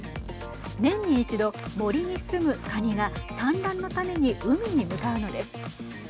年に１度、森に住むかにが産卵のために海に向かうのです。